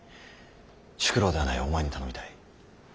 宿老ではないお前に頼みたい。